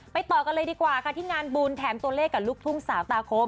ต่อกันเลยดีกว่าค่ะที่งานบุญแถมตัวเลขกับลูกทุ่งสาวตาคม